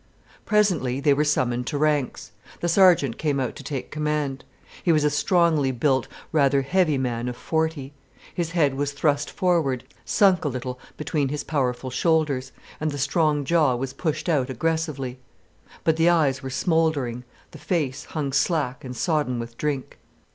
Presently they were summoned to ranks. The sergeant came out to take command. He was a strongly built, rather heavy man of forty. His head was thrust forward, sunk a little between his powerful shoulders, and the strong jaw was pushed out aggressively. But the eyes were smouldering, the face hung slack and sodden with drink.